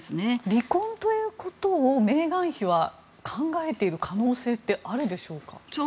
離婚ということをメーガン妃は考えている可能性はあるでしょうか？